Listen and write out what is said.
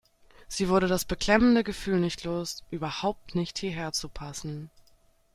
Sie wurde das beklemmende Gefühl nicht los, überhaupt nicht hierher zu passen.